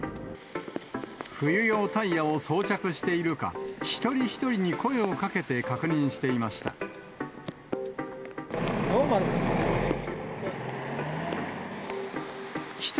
冬用タイヤを装着しているか、一人一人に声をかけて確認していました。